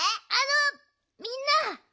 あのみんな。